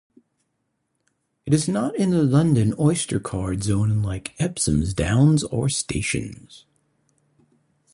It is not in the London Oyster card zone unlike Epsom Downs or stations.